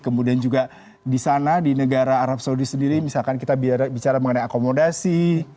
kemudian juga di sana di negara arab saudi sendiri misalkan kita bicara mengenai akomodasi